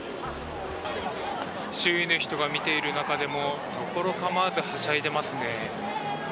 周囲の人が見ている中でもところ構わずはしゃいでいますね。